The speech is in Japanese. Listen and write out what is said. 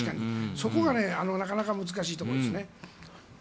そこがなかなか難しいところですね。